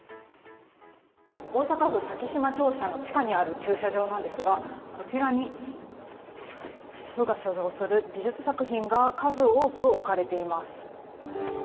大阪府咲洲庁舎の地下にある駐車場なんですがこちらに府が所蔵する美術作品が数多く置かれています。